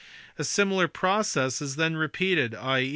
A similar process is then repeated, i.